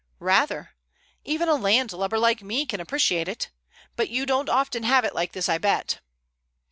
"Rather. Even a landlubber like me can appreciate it. But you don't often have it like this, I bet."